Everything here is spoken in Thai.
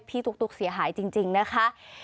ตุ๊กเสียหายจริงนะคะ